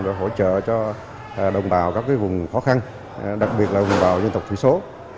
để hỗ trợ cho đồng bào các vùng khó khăn đặc biệt là vùng bào dân tộc thủy số